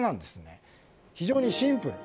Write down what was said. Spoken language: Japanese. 非常にシンプル。